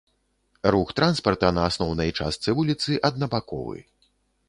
Рух транспарта на асноўнай частцы вуліцы аднабаковы.